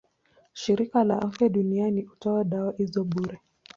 Shirika la Afya Duniani hutoa dawa hizo bure.